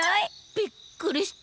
びっくりした。